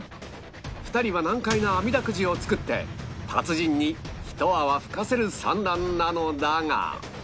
２人は難解なあみだくじを作って達人にひと泡吹かせる算段なのだが